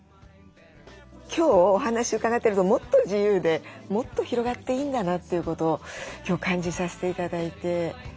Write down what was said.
今日お話伺ってるともっと自由でもっと広がっていいんだなということを今日感じさせて頂いて。